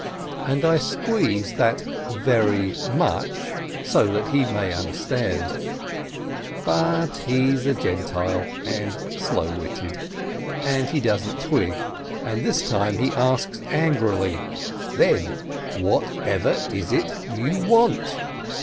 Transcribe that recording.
and I squeeze that "very much" so that he may understand. But he's a Gentile and slow witted, and he doesn't twig, and this time he asks angrily, "Then, whatever is it you want